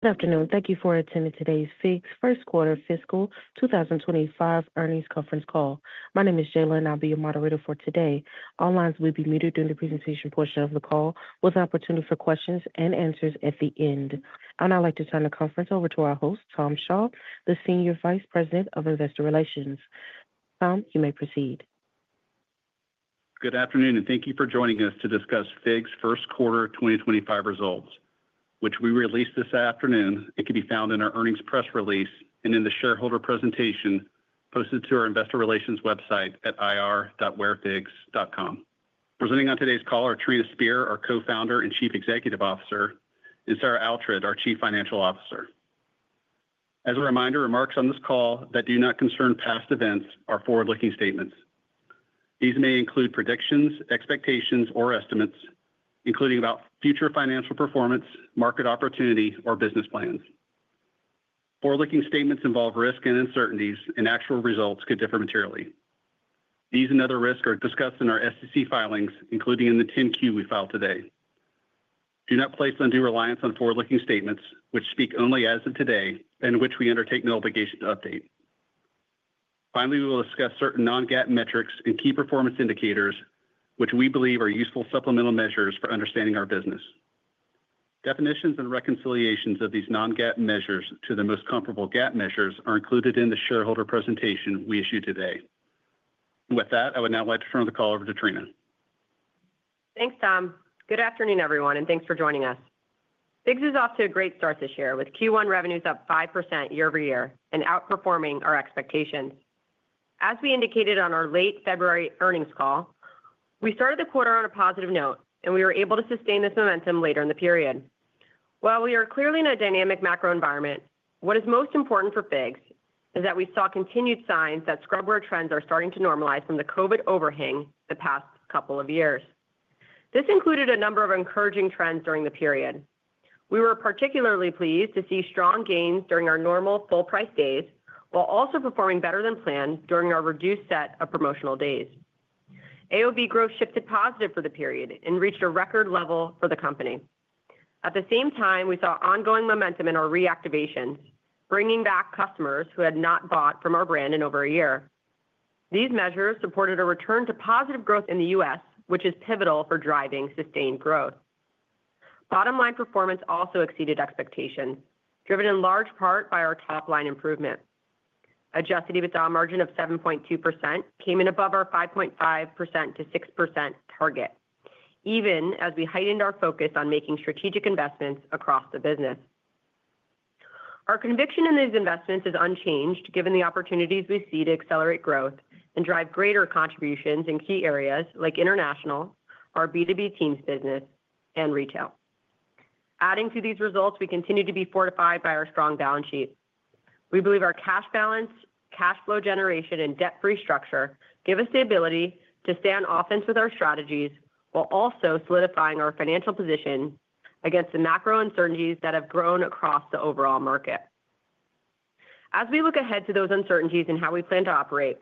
Good afternoon. Thank you for attending today's FIGS first quarter fiscal 2025 earnings conference call. My name is Jayla, and I'll be your moderator for today. All lines will be muted during the presentation portion of the call, with an opportunity for questions and answers at the end. I'd now like to turn the conference over to our host, Tom Shaw, the Senior Vice President of Investor Relations. Tom, you may proceed. Good afternoon, and thank you for joining us to discuss FIGS first quarter 2025 results, which we released this afternoon. It can be found in our earnings press release and in the shareholder presentation posted to our Investor Relations website at ir.wearfigs.com. Presenting on today's call are Trina Spear, our Co-Founder and Chief Executive Officer, and Sarah Oughtred, our Chief Financial Officer. As a reminder, remarks on this call that do not concern past events are forward-looking statements. These may include predictions, expectations, or estimates, including about future financial performance, market opportunity, or business plans. Forward-looking statements involve risk and uncertainties, and actual results could differ materially. These and other risks are discussed in our SEC filings, including in the 10-Q we filed today. Do not place undue reliance on forward-looking statements, which speak only as of today and which we undertake no obligation to update. Finally, we will discuss certain non-GAAP metrics and key performance indicators, which we believe are useful supplemental measures for understanding our business. Definitions and reconciliations of these non-GAAP measures to the most comparable GAAP measures are included in the shareholder presentation we issue today. With that, I would now like to turn the call over to Trina. Thanks, Tom. Good afternoon, everyone, and thanks for joining us. FIGS is off to a great start this year, with Q1 revenues up 5% year-over-year and outperforming our expectations. As we indicated on our late February earnings call, we started the quarter on a positive note, and we were able to sustain this momentum later in the period. While we are clearly in a dynamic macro environment, what is most important for FIGS is that we saw continued signs that scrubwear trends are starting to normalize from the COVID overhang the past couple of years. This included a number of encouraging trends during the period. We were particularly pleased to see strong gains during our normal full-price days while also performing better than planned during our reduced set of promotional days. AOV growth shifted positive for the period and reached a record level for the company. At the same time, we saw ongoing momentum in our reactivations, bringing back customers who had not bought from our brand in over a year. These measures supported a return to positive growth in the U.S., which is pivotal for driving sustained growth. Bottom-line performance also exceeded expectations, driven in large part by our top-line improvement. Adjusted EBITDA margin of 7.2% came in above our 5.5%-6% target, even as we heightened our focus on making strategic investments across the business. Our conviction in these investments is unchanged, given the opportunities we see to accelerate growth and drive greater contributions in key areas like international, our B2B teams business, and retail. Adding to these results, we continue to be fortified by our strong balance sheet. We believe our cash balance, cash flow generation, and debt-free structure give us the ability to stay on offense with our strategies while also solidifying our financial position against the macro uncertainties that have grown across the overall market. As we look ahead to those uncertainties and how we plan to operate,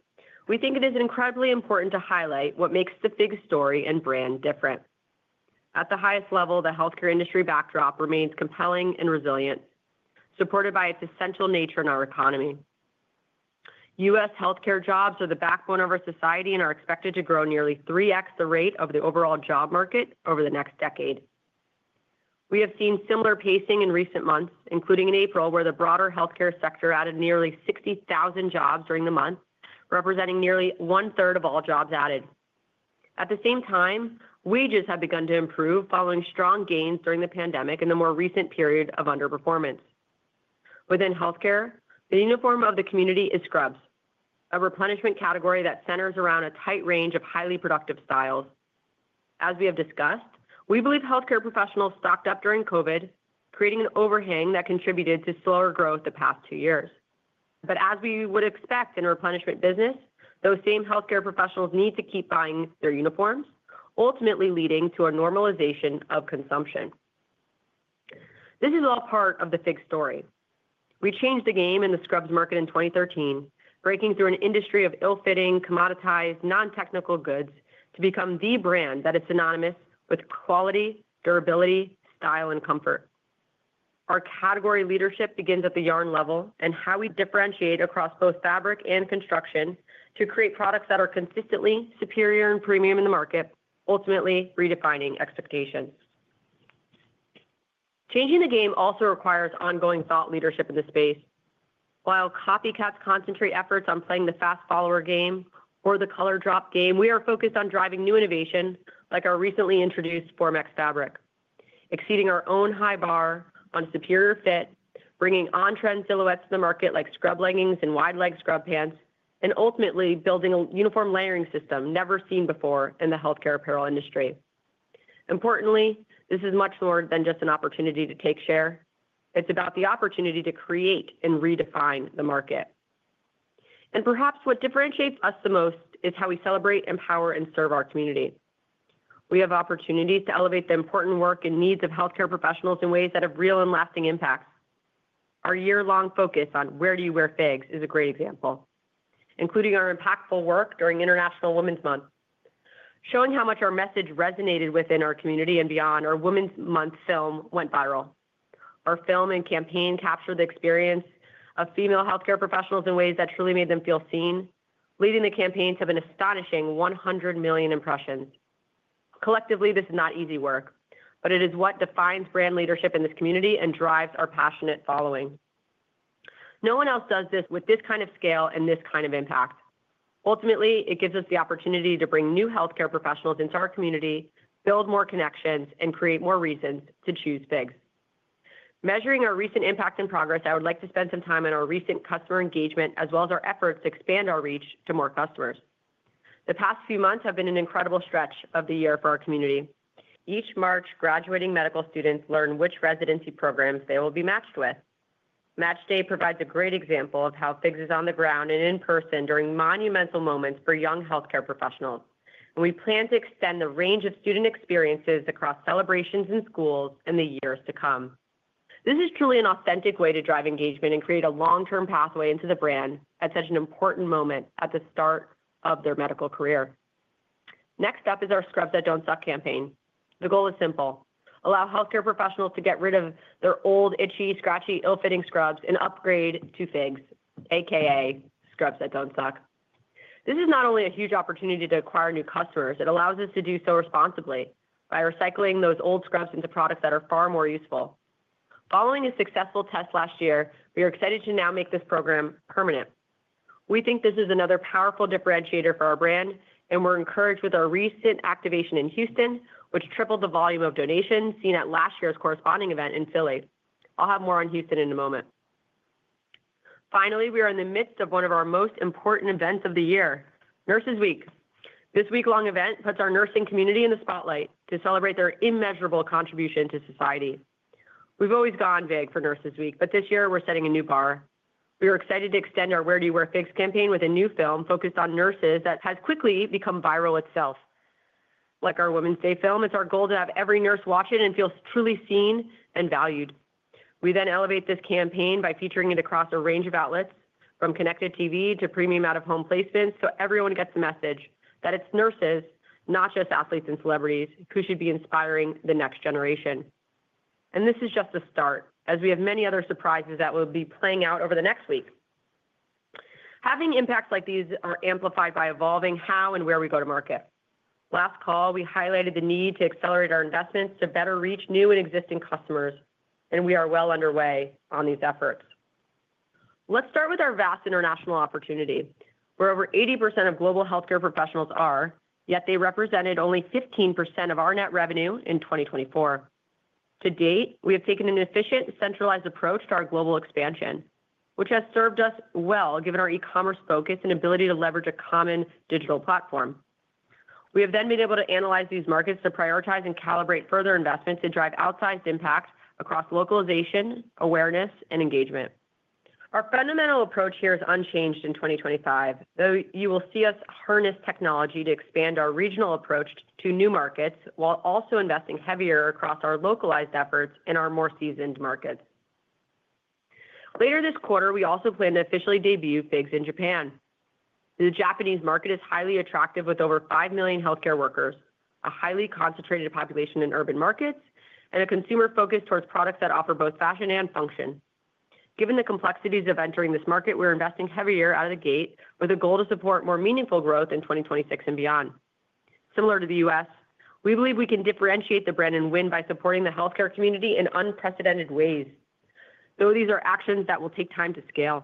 we think it is incredibly important to highlight what makes the FIGS story and brand different. At the highest level, the healthcare industry backdrop remains compelling and resilient, supported by its essential nature in our economy. U.S. healthcare jobs are the backbone of our society and are expected to grow nearly 3x the rate of the overall job market over the next decade. We have seen similar pacing in recent months, including in April, where the broader healthcare sector added nearly 60,000 jobs during the month, representing nearly one-third of all jobs added. At the same time, wages have begun to improve following strong gains during the pandemic and the more recent period of underperformance. Within healthcare, the uniform of the community is scrubs, a replenishment category that centers around a tight range of highly productive styles. As we have discussed, we believe healthcare professionals stocked up during COVID, creating an overhang that contributed to slower growth the past two years. As we would expect in a replenishment business, those same healthcare professionals need to keep buying their uniforms, ultimately leading to a normalization of consumption. This is all part of the FIGS story. We changed the game in the scrubs market in 2013, breaking through an industry of ill-fitting, commoditized, non-technical goods to become the brand that is synonymous with quality, durability, style, and comfort. Our category leadership begins at the yarn level and how we differentiate across both fabric and construction to create products that are consistently superior and premium in the market, ultimately redefining expectations. Changing the game also requires ongoing thought leadership in the space. While copycats concentrate efforts on playing the fast-follower game or the color-drop game, we are focused on driving new innovation, like our recently introduced Formex fabric, exceeding our own high bar on superior fit, bringing on-trend silhouettes to the market like scrub leggings and wide-leg scrub pants, and ultimately building a uniform layering system never seen before in the healthcare apparel industry. Importantly, this is much more than just an opportunity to take share. It is about the opportunity to create and redefine the market. Perhaps what differentiates us the most is how we celebrate, empower, and serve our community. We have opportunities to elevate the important work and needs of healthcare professionals in ways that have real and lasting impacts. Our year-long focus on "Where do you wear FIGS?" is a great example, including our impactful work during International Women's Month. Showing how much our message resonated within our community and beyond, our Women's Month film went viral. Our film and campaign captured the experience of female healthcare professionals in ways that truly made them feel seen, leading the campaign to have an astonishing 100 million impressions. Collectively, this is not easy work, but it is what defines brand leadership in this community and drives our passionate following. No one else does this with this kind of scale and this kind of impact. Ultimately, it gives us the opportunity to bring new healthcare professionals into our community, build more connections, and create more reasons to choose FIGS. Measuring our recent impact and progress, I would like to spend some time on our recent customer engagement as well as our efforts to expand our reach to more customers. The past few months have been an incredible stretch of the year for our community. Each March, graduating medical students learn which residency programs they will be matched with. Match Day provides a great example of how FIGS is on the ground and in person during monumental moments for young healthcare professionals. We plan to extend the range of student experiences across celebrations in schools in the years to come. This is truly an authentic way to drive engagement and create a long-term pathway into the brand at such an important moment at the start of their medical career. Next up is our Scrubs That Don't Suck campaign. The goal is simple: allow healthcare professionals to get rid of their old, itchy, scratchy, ill-fitting scrubs and upgrade to FIGS, a.k.a. Scrubs That Don't Suck. This is not only a huge opportunity to acquire new customers, it allows us to do so responsibly by recycling those old scrubs into products that are far more useful. Following a successful test last year, we are excited to now make this program permanent. We think this is another powerful differentiator for our brand, and we're encouraged with our recent activation in Houston, which tripled the volume of donations seen at last year's corresponding event in Philly. I'll have more on Houston in a moment. Finally, we are in the midst of one of our most important events of the year, Nurses Week. This week-long event puts our nursing community in the spotlight to celebrate their immeasurable contribution to society. We've always gone big for Nurses Week, but this year we're setting a new bar. We are excited to extend our "Where do you wear FIGS?" campaign with a new film focused on nurses that has quickly become viral itself. Like our Women's Day film, it's our goal to have every nurse watch it and feel truly seen and valued. We then elevate this campaign by featuring it across a range of outlets, from connected TV to premium out-of-home placements, so everyone gets the message that it's nurses, not just athletes and celebrities, who should be inspiring the next generation. This is just the start, as we have many other surprises that will be playing out over the next week. Having impacts like these are amplified by evolving how and where we go to market. Last call, we highlighted the need to accelerate our investments to better reach new and existing customers, and we are well underway on these efforts. Let's start with our vast international opportunity, where over 80% of global healthcare professionals are, yet they represented only 15% of our net revenue in 2024. To date, we have taken an efficient, centralized approach to our global expansion, which has served us well, given our e-commerce focus and ability to leverage a common digital platform. We have then been able to analyze these markets to prioritize and calibrate further investments to drive outsized impact across localization, awareness, and engagement. Our fundamental approach here is unchanged in 2025, though you will see us harness technology to expand our regional approach to new markets while also investing heavier across our localized efforts in our more seasoned markets. Later this quarter, we also plan to officially debut FIGS in Japan. The Japanese market is highly attractive, with over 5 million healthcare workers, a highly concentrated population in urban markets, and a consumer focus towards products that offer both fashion and function. Given the complexities of entering this market, we're investing heavier out of the gate with a goal to support more meaningful growth in 2026 and beyond. Similar to the U.S., we believe we can differentiate the brand and win by supporting the healthcare community in unprecedented ways, though these are actions that will take time to scale.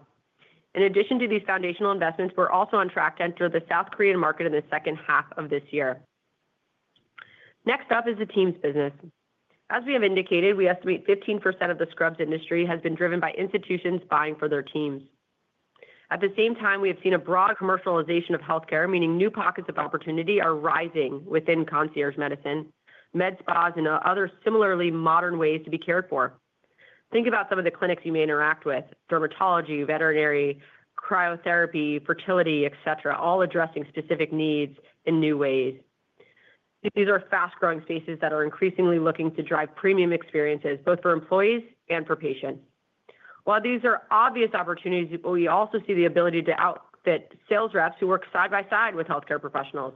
In addition to these foundational investments, we're also on track to enter the South Korean market in the second half of this year. Next up is the teams business. As we have indicated, we estimate 15% of the scrubs industry has been driven by institutions buying for their teams. At the same time, we have seen a broad commercialization of healthcare, meaning new pockets of opportunity are rising within concierge medicine, med spas, and other similarly modern ways to be cared for. Think about some of the clinics you may interact with: dermatology, veterinary, cryotherapy, fertility, etc., all addressing specific needs in new ways. These are fast-growing spaces that are increasingly looking to drive premium experiences, both for employees and for patients. While these are obvious opportunities, we also see the ability to outfit sales reps who work side by side with healthcare professionals.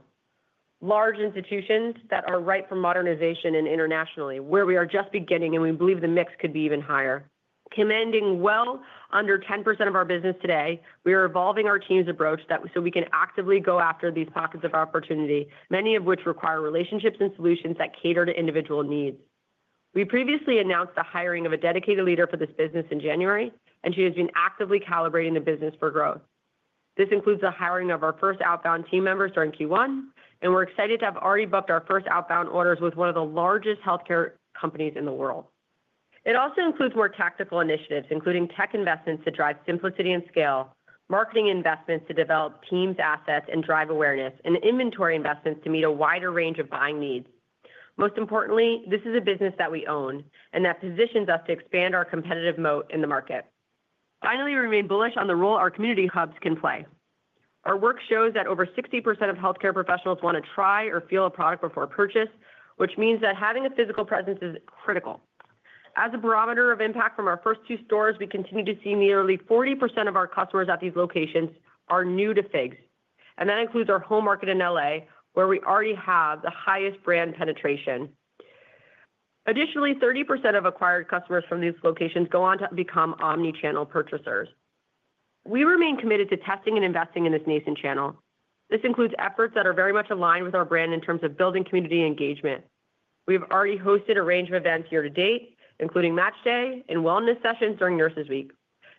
Large institutions that are ripe for modernization internationally, where we are just beginning, and we believe the mix could be even higher. Commanding well under 10% of our business today, we are evolving our teams approach so we can actively go after these pockets of opportunity, many of which require relationships and solutions that cater to individual needs. We previously announced the hiring of a dedicated leader for this business in January, and she has been actively calibrating the business for growth. This includes the hiring of our first outbound team members during Q1, and we're excited to have already booked our first outbound orders with one of the largest healthcare companies in the world. It also includes more tactical initiatives, including tech investments to drive simplicity and scale, marketing investments to develop teams assets and drive awareness, and inventory investments to meet a wider range of buying needs. Most importantly, this is a business that we own and that positions us to expand our competitive moat in the market. Finally, we remain bullish on the role our community hubs can play. Our work shows that over 60% of healthcare professionals want to try or feel a product before purchase, which means that having a physical presence is critical. As a barometer of impact from our first two stores, we continue to see nearly 40% of our customers at these locations are new to FIGS, and that includes our home market in LA, where we already have the highest brand penetration. Additionally, 30% of acquired customers from these locations go on to become omnichannel purchasers. We remain committed to testing and investing in this nascent channel. This includes efforts that are very much aligned with our brand in terms of building community engagement. We have already hosted a range of events year to date, including Match Day and wellness sessions during Nurses Week,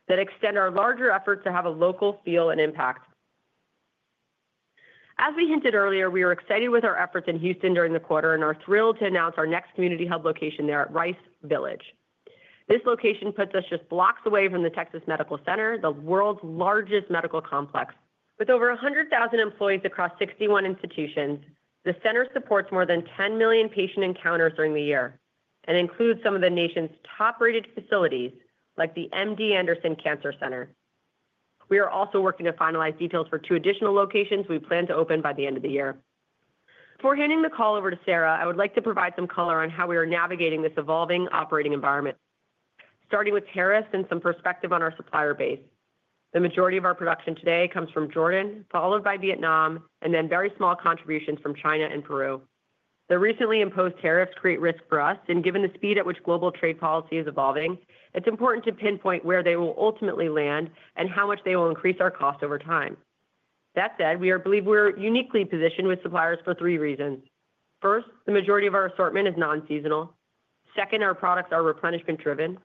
that extend our larger efforts to have a local feel and impact. As we hinted earlier, we are excited with our efforts in Houston during the quarter and are thrilled to announce our next community hub location there at Rice Village. This location puts us just blocks away from the Texas Medical Center, the world's largest medical complex. With over 100,000 employees across 61 institutions, the center supports more than 10 million patient encounters during the year and includes some of the nation's top-rated facilities, like the MD Anderson Cancer Center. We are also working to finalize details for two additional locations we plan to open by the end of the year. Before handing the call over to Sarah, I would like to provide some color on how we are navigating this evolving operating environment, starting with tariffs and some perspective on our supplier base. The majority of our production today comes from Jordan, followed by Vietnam, and then very small contributions from China and Peru. The recently imposed tariffs create risk for us, and given the speed at which global trade policy is evolving, it's important to pinpoint where they will ultimately land and how much they will increase our cost over time. That said, we believe we're uniquely positioned with suppliers for three reasons. First, the majority of our assortment is non-seasonal. Second, our products are replenishment-driven.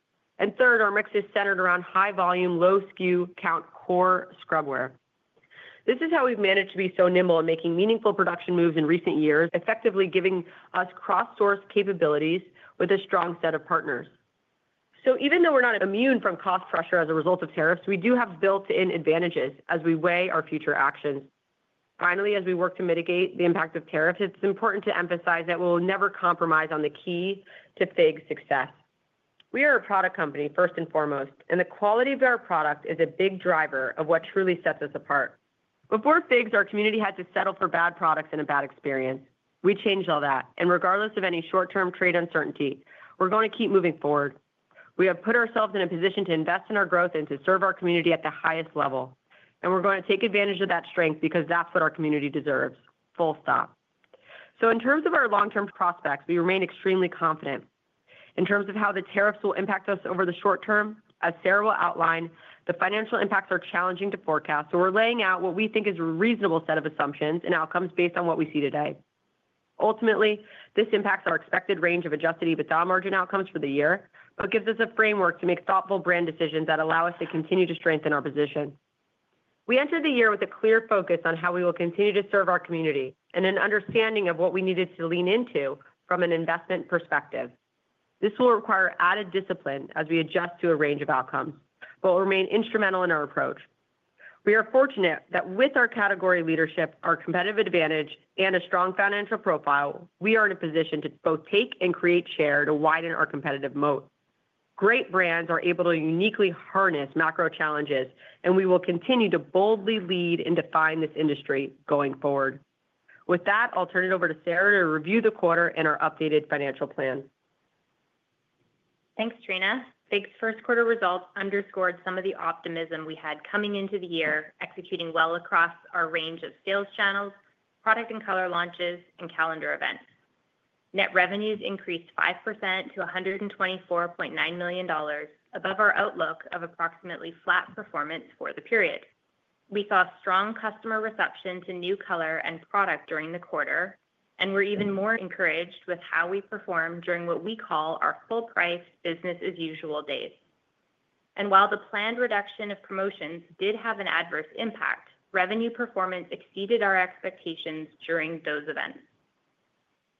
Third, our mix is centered around high-volume, low-skew, count-core scrubwear. This is how we've managed to be so nimble in making meaningful production moves in recent years, effectively giving us cross-source capabilities with a strong set of partners. Even though we're not immune from cost pressure as a result of tariffs, we do have built-in advantages as we weigh our future actions. Finally, as we work to mitigate the impact of tariffs, it's important to emphasize that we'll never compromise on the key to FIGS success. We are a product company, first and foremost, and the quality of our product is a big driver of what truly sets us apart. Before FIGS, our community had to settle for bad products and a bad experience. We changed all that, and regardless of any short-term trade uncertainty, we're going to keep moving forward. We have put ourselves in a position to invest in our growth and to serve our community at the highest level, and we're going to take advantage of that strength because that's what our community deserves. Full stop. In terms of our long-term prospects, we remain extremely confident. In terms of how the tariffs will impact us over the short term, as Sarah will outline, the financial impacts are challenging to forecast, so we're laying out what we think is a reasonable set of assumptions and outcomes based on what we see today. Ultimately, this impacts our expected range of adjusted EBITDA margin outcomes for the year, but gives us a framework to make thoughtful brand decisions that allow us to continue to strengthen our position. We entered the year with a clear focus on how we will continue to serve our community and an understanding of what we needed to lean into from an investment perspective. This will require added discipline as we adjust to a range of outcomes, but will remain instrumental in our approach. We are fortunate that with our category leadership, our competitive advantage, and a strong financial profile, we are in a position to both take and create share to widen our competitive moat. Great brands are able to uniquely harness macro challenges, and we will continue to boldly lead and define this industry going forward. With that, I'll turn it over to Sarah to review the quarter and our updated financial plan. Thanks, Trina. FIGS' first quarter results underscored some of the optimism we had coming into the year, executing well across our range of sales channels, product and color launches, and calendar events. Net revenues increased 5% to $124.9 million, above our outlook of approximately flat performance for the period. We saw strong customer reception to new color and product during the quarter, and we are even more encouraged with how we perform during what we call our full-price business-as-usual days. While the planned reduction of promotions did have an adverse impact, revenue performance exceeded our expectations during those events.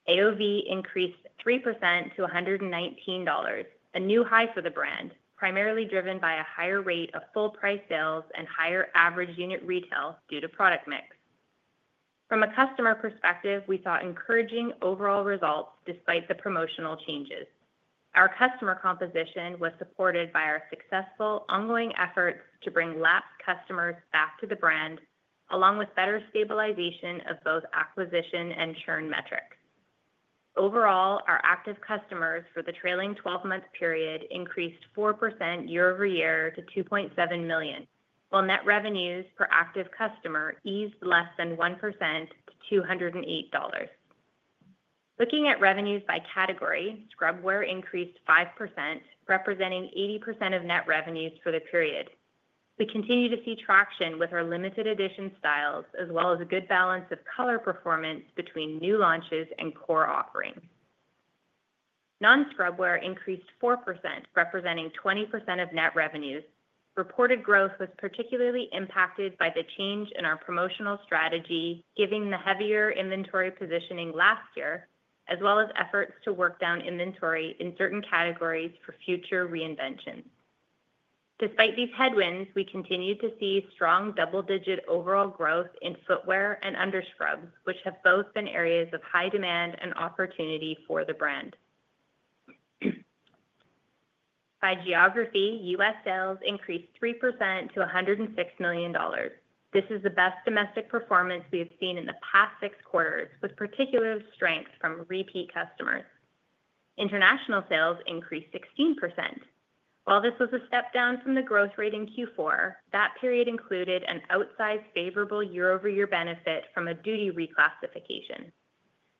AOV increased 3% to $119, a new high for the brand, primarily driven by a higher rate of full-price sales and higher average unit retail due to product mix. From a customer perspective, we saw encouraging overall results despite the promotional changes. Our customer composition was supported by our successful ongoing efforts to bring lapsed customers back to the brand, along with better stabilization of both acquisition and churn metrics. Overall, our active customers for the trailing 12-month period increased 4% year-over-year to $2.7 million, while net revenues per active customer eased less than 1% to $208. Looking at revenues by category, scrubwear increased 5%, representing 80% of net revenues for the period. We continue to see traction with our limited edition styles, as well as a good balance of color performance between new launches and core offerings. Non-scrubwear increased 4%, representing 20% of net revenues. Reported growth was particularly impacted by the change in our promotional strategy, given the heavier inventory positioning last year, as well as efforts to work down inventory in certain categories for future reinventions. Despite these headwinds, we continue to see strong double-digit overall growth in footwear and underscrubs, which have both been areas of high demand and opportunity for the brand. By geography, U.S. sales increased 3% to $106 million. This is the best domestic performance we have seen in the past six quarters, with particular strength from repeat customers. International sales increased 16%. While this was a step down from the growth rate in Q4, that period included an outsized favorable year-over-year benefit from a duty reclassification.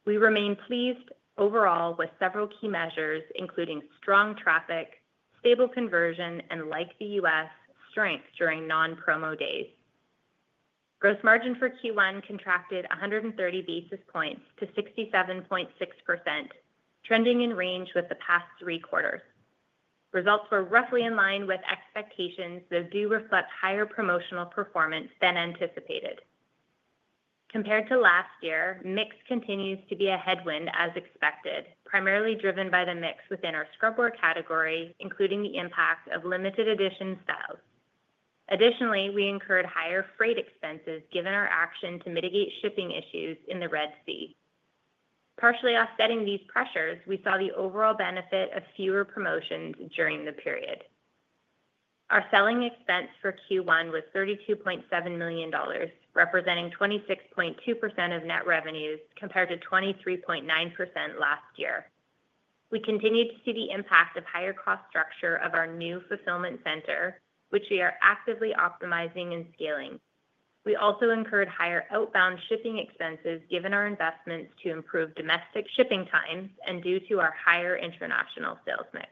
We remain pleased overall with several key measures, including strong traffic, stable conversion, and, like the U.S., strength during non-promo days. Gross margin for Q1 contracted 130 basis points to 67.6%, trending in range with the past three quarters. Results were roughly in line with expectations, though do reflect higher promotional performance than anticipated. Compared to last year, mix continues to be a headwind as expected, primarily driven by the mix within our scrubwear category, including the impact of limited edition styles. Additionally, we incurred higher freight expenses given our action to mitigate shipping issues in the Red Sea. Partially offsetting these pressures, we saw the overall benefit of fewer promotions during the period. Our selling expense for Q1 was $32.7 million, representing 26.2% of net revenues compared to 23.9% last year. We continue to see the impact of higher cost structure of our new fulfillment center, which we are actively optimizing and scaling. We also incurred higher outbound shipping expenses given our investments to improve domestic shipping times and due to our higher international sales mix.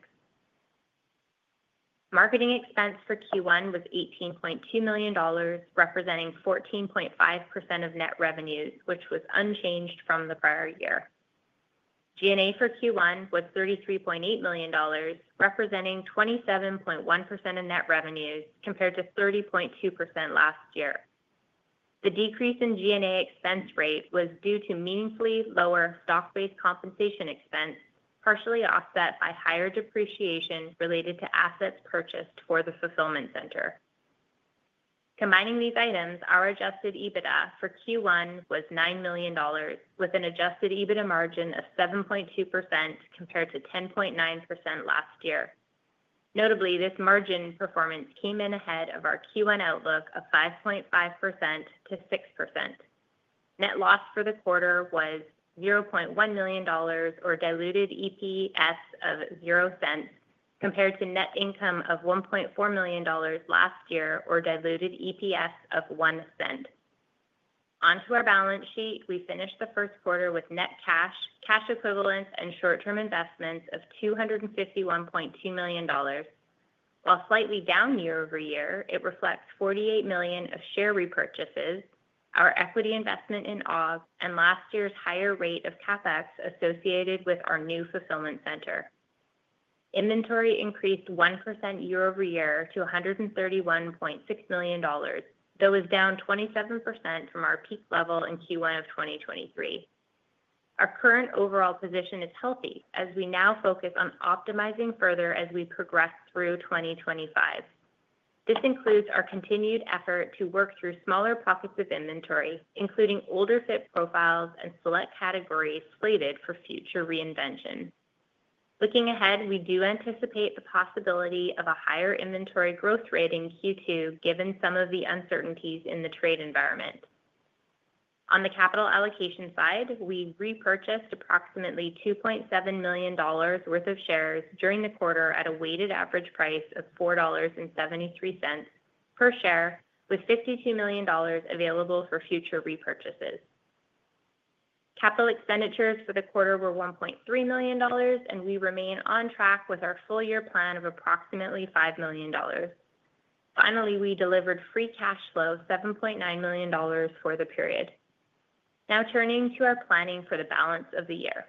Marketing expense for Q1 was $18.2 million, representing 14.5% of net revenues, which was unchanged from the prior year. G&A for Q1 was $33.8 million, representing 27.1% of net revenues compared to 30.2% last year. The decrease in G&A expense rate was due to meaningfully lower stock-based compensation expense, partially offset by higher depreciation related to assets purchased for the fulfillment center. Combining these items, our adjusted EBITDA for Q1 was $9 million, with an adjusted EBITDA margin of 7.2% compared to 10.9% last year. Notably, this margin performance came in ahead of our Q1 outlook of 5.5%-6%. Net loss for the quarter was $0.1 million, or diluted EPS of $0, compared to net income of $1.4 million last year, or diluted EPS of $0.01. Onto our balance sheet, we finished the first quarter with net cash, cash equivalents, and short-term investments of $251.2 million. While slightly down year-over-year, it reflects $48 million of share repurchases, our equity investment in OGG, and last year's higher rate of CapEx associated with our new fulfillment center. Inventory increased 1% year over year to $131.6 million, though is down 27% from our peak level in Q1 of 2023. Our current overall position is healthy, as we now focus on optimizing further as we progress through 2025. This includes our continued effort to work through smaller pockets of inventory, including older fit profiles and select categories slated for future reinvention. Looking ahead, we do anticipate the possibility of a higher inventory growth rate in Q2, given some of the uncertainties in the trade environment. On the capital allocation side, we repurchased approximately $2.7 million worth of shares during the quarter at a weighted average price of $4.73 per share, with $52 million available for future repurchases. Capital expenditures for the quarter were $1.3 million, and we remain on track with our full-year plan of approximately $5 million. Finally, we delivered free cash flow of $7.9 million for the period. Now turning to our planning for the balance of the year.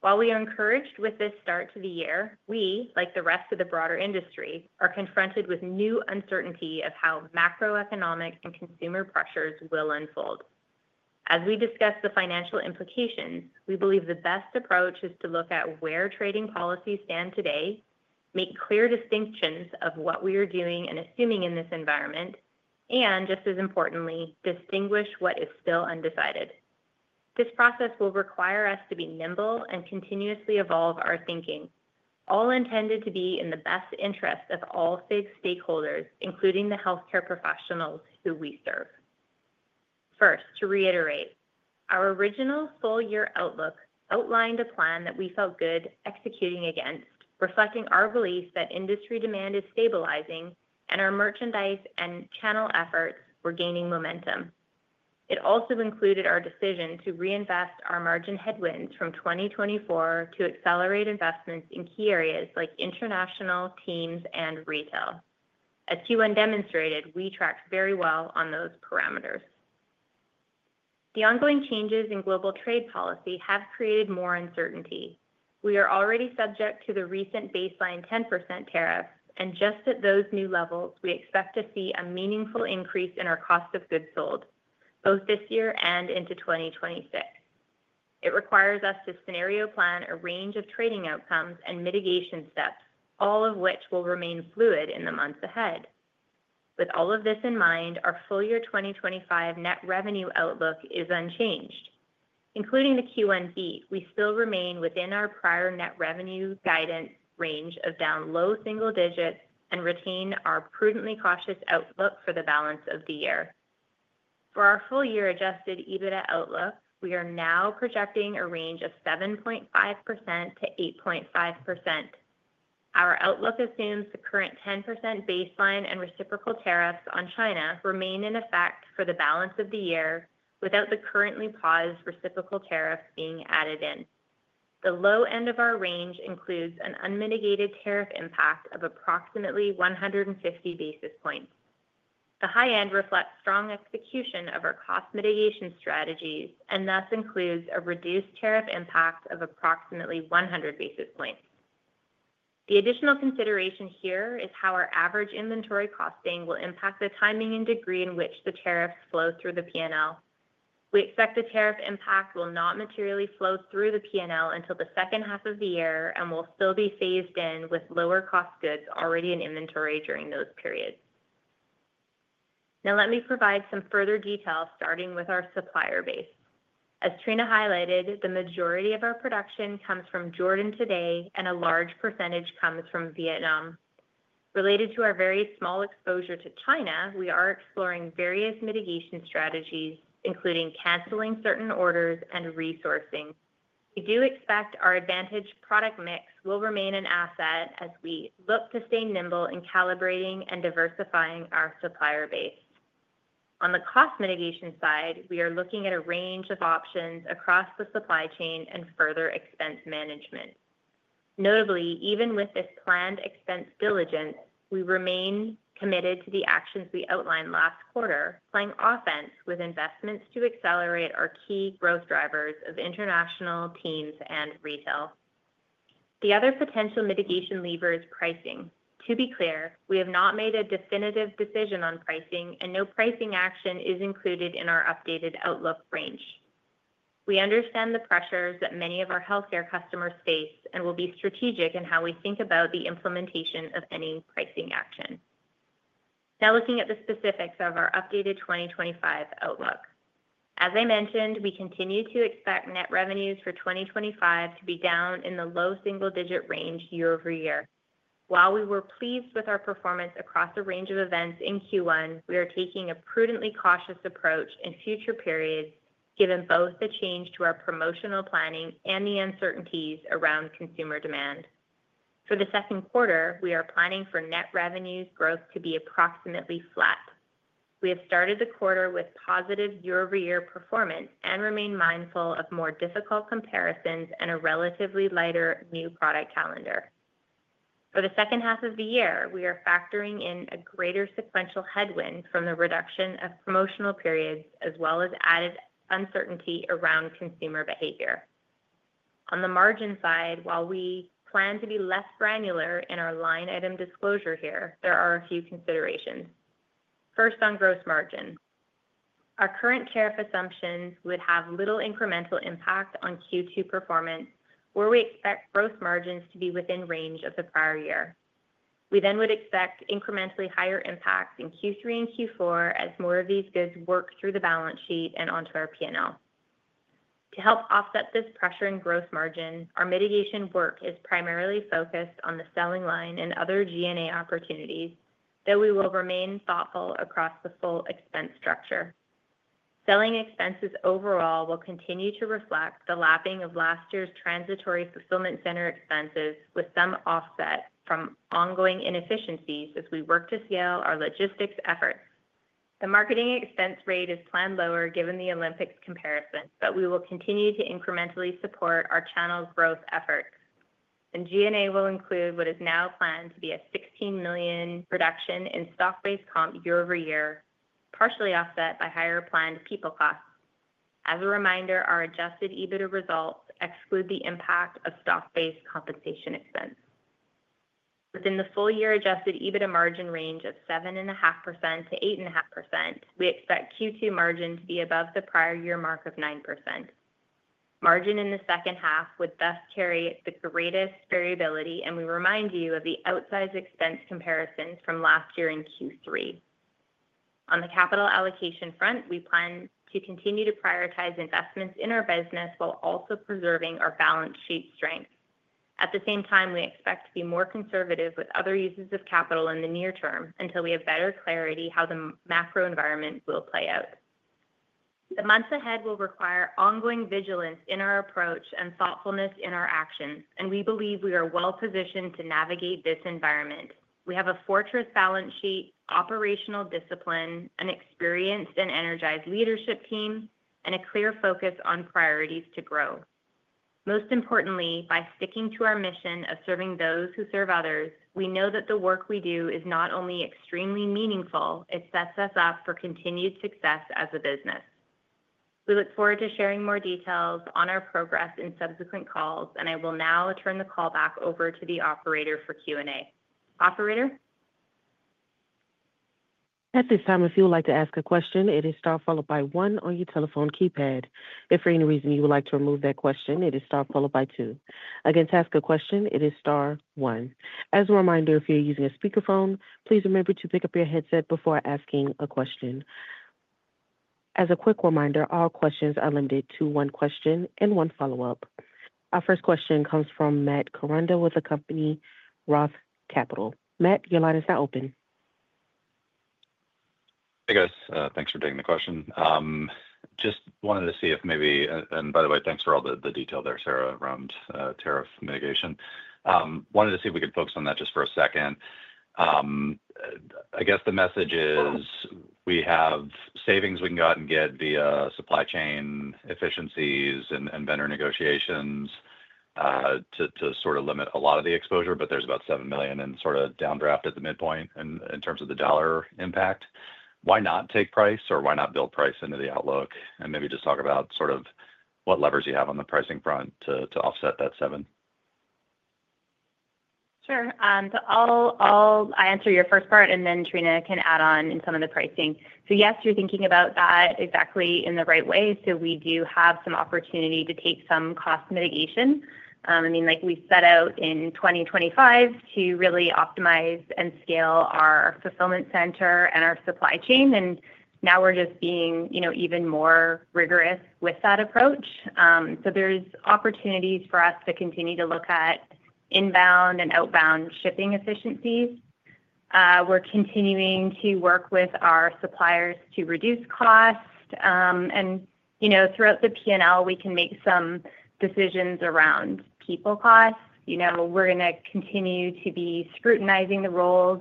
While we are encouraged with this start to the year, we, like the rest of the broader industry, are confronted with new uncertainty of how macroeconomic and consumer pressures will unfold. As we discuss the financial implications, we believe the best approach is to look at where trading policies stand today, make clear distinctions of what we are doing and assuming in this environment, and, just as importantly, distinguish what is still undecided. This process will require us to be nimble and continuously evolve our thinking, all intended to be in the best interest of all FIGS stakeholders, including the healthcare professionals who we serve. First, to reiterate, our original full-year outlook outlined a plan that we felt good executing against, reflecting our belief that industry demand is stabilizing and our merchandise and channel efforts were gaining momentum. It also included our decision to reinvest our margin headwinds from 2024 to accelerate investments in key areas like international teams and retail. As Q1 demonstrated, we tracked very well on those parameters. The ongoing changes in global trade policy have created more uncertainty. We are already subject to the recent baseline 10% tariff, and just at those new levels, we expect to see a meaningful increase in our cost of goods sold, both this year and into 2026. It requires us to scenario plan a range of trading outcomes and mitigation steps, all of which will remain fluid in the months ahead. With all of this in mind, our full-year 2025 net revenue outlook is unchanged. Including the Q1 beat, we still remain within our prior net revenue guidance range of down low single digits and retain our prudently cautious outlook for the balance of the year. For our full-year adjusted EBITDA outlook, we are now projecting a range of 7.5%-8.5%. Our outlook assumes the current 10% baseline and reciprocal tariffs on China remain in effect for the balance of the year, without the currently paused reciprocal tariffs being added in. The low end of our range includes an unmitigated tariff impact of approximately 150 basis points. The high end reflects strong execution of our cost mitigation strategies and thus includes a reduced tariff impact of approximately 100 basis points. The additional consideration here is how our average inventory costing will impact the timing and degree in which the tariffs flow through the P&L. We expect the tariff impact will not materially flow through the P&L until the second half of the year and will still be phased in with lower-cost goods already in inventory during those periods. Now let me provide some further detail, starting with our supplier base. As Trina highlighted, the majority of our production comes from Jordan today, and a large percentage comes from Vietnam. Related to our very small exposure to China, we are exploring various mitigation strategies, including canceling certain orders and resourcing. We do expect our advantage product mix will remain an asset as we look to stay nimble in calibrating and diversifying our supplier base. On the cost mitigation side, we are looking at a range of options across the supply chain and further expense management. Notably, even with this planned expense diligence, we remain committed to the actions we outlined last quarter, playing offense with investments to accelerate our key growth drivers of international teams and retail. The other potential mitigation lever is pricing. To be clear, we have not made a definitive decision on pricing, and no pricing action is included in our updated outlook range. We understand the pressures that many of our healthcare customers face and will be strategic in how we think about the implementation of any pricing action. Now looking at the specifics of our updated 2025 outlook. As I mentioned, we continue to expect net revenues for 2025 to be down in the low single-digit range year over year. While we were pleased with our performance across the range of events in Q1, we are taking a prudently cautious approach in future periods, given both the change to our promotional planning and the uncertainties around consumer demand. For the second quarter, we are planning for net revenues growth to be approximately flat. We have started the quarter with positive year-over-year performance and remain mindful of more difficult comparisons and a relatively lighter new product calendar. For the second half of the year, we are factoring in a greater sequential headwind from the reduction of promotional periods, as well as added uncertainty around consumer behavior. On the margin side, while we plan to be less granular in our line item disclosure here, there are a few considerations. First, on gross margin. Our current tariff assumptions would have little incremental impact on Q2 performance, where we expect gross margins to be within range of the prior year. We then would expect incrementally higher impacts in Q3 and Q4 as more of these goods work through the balance sheet and onto our P&L. To help offset this pressure in gross margin, our mitigation work is primarily focused on the selling line and other G&A opportunities, though we will remain thoughtful across the full expense structure. Selling expenses overall will continue to reflect the lapping of last year's transitory fulfillment center expenses, with some offset from ongoing inefficiencies as we work to scale our logistics efforts. The marketing expense rate is planned lower given the Olympics comparison, but we will continue to incrementally support our channel growth efforts. G&A will include what is now planned to be a $16 million reduction in stock-based comp year over year, partially offset by higher planned people costs. As a reminder, our adjusted EBITDA results exclude the impact of stock-based compensation expense. Within the full-year adjusted EBITDA margin range of 7.5%-8.5%, we expect Q2 margin to be above the prior year mark of 9%. Margin in the second half would thus carry the greatest variability, and we remind you of the outsized expense comparisons from last year in Q3. On the capital allocation front, we plan to continue to prioritize investments in our business while also preserving our balance sheet strength. At the same time, we expect to be more conservative with other uses of capital in the near term until we have better clarity on how the macro environment will play out. The months ahead will require ongoing vigilance in our approach and thoughtfulness in our actions, and we believe we are well-positioned to navigate this environment. We have a fortress balance sheet, operational discipline, an experienced and energized leadership team, and a clear focus on priorities to grow. Most importantly, by sticking to our mission of serving those who serve others, we know that the work we do is not only extremely meaningful, it sets us up for continued success as a business. We look forward to sharing more details on our progress in subsequent calls, and I will now turn the call back over to the operator for Q&A. Operator? At this time, if you would like to ask a question, it is star followed by one on your telephone keypad. If for any reason you would like to remove that question, it is star followed by two. Again, to ask a question, it is star one. As a reminder, if you're using a speakerphone, please remember to pick up your headset before asking a question. As a quick reminder, all questions are limited to one question and one follow-up. Our first question comes from Matt Koranda with the company Roth Capital. Matt, your line is now open. Hey, guys. Thanks for taking the question. Just wanted to see if maybe—and by the way, thanks for all the detail there, Sarah, around tariff mitigation. Wanted to see if we could focus on that just for a second. I guess the message is we have savings we can go out and get via supply chain efficiencies and vendor negotiations to sort of limit a lot of the exposure, but there's about $7 million in sort of downdraft at the midpoint in terms of the dollar impact. Why not take price or why not build price into the outlook and maybe just talk about sort of what levers you have on the pricing front to offset that seven? Sure. I'll answer your first part, and then Trina can add on in some of the pricing. Yes, you're thinking about that exactly in the right way. We do have some opportunity to take some cost mitigation. I mean, like we set out in 2025 to really optimize and scale our fulfillment center and our supply chain, and now we're just being even more rigorous with that approach. There's opportunities for us to continue to look at inbound and outbound shipping efficiencies. We're continuing to work with our suppliers to reduce cost. Throughout the P&L, we can make some decisions around people costs. We're going to continue to be scrutinizing the roles,